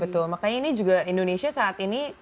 betul makanya indonesia saat ini